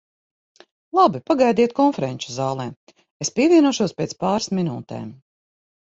Labi, pagaidiet konferenču zālē, es pievienošos pēc pāris minūtēm.